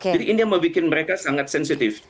jadi ini yang membuat mereka sangat sensitif